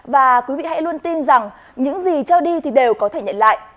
và quý vị hãy luôn tin rằng những gì cho đi thì đều có thể nhận lại